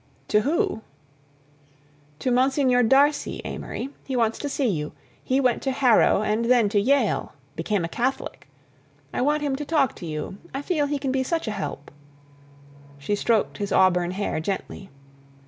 "To who?" "To Monsignor Darcy, Amory. He wants to see you. He went to Harrow and then to Yale—became a Catholic. I want him to talk to you—I feel he can be such a help—" She stroked his auburn hair gently.